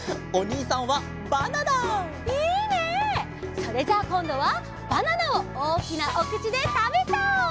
それじゃあこんどはバナナをおおきなおくちでたべちゃおう！